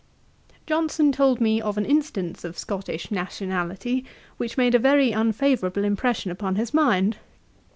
Johnson told me of an instance of Scottish nationality, which made a very unfavourable impression upon his mind.